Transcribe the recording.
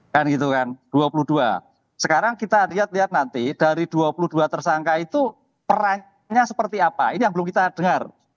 kan gitu kan dua puluh dua sekarang kita lihat lihat nanti dari dua puluh dua tersangka itu perannya seperti apa ini yang belum kita dengar